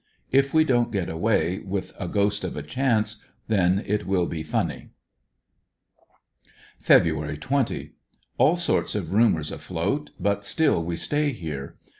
If we don't get away, with a ghost of a chance, then it will be funny. Feb. 20.— All sorts of rumors afloat, but still we stay here.